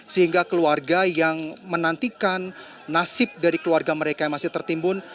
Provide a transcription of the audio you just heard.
sehingga keluarga yang menantikan nasib dari keluarga mereka yang masih tertimbun